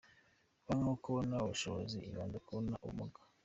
Banki aho kubona ubushobozi, ibanza kubona ubumuga.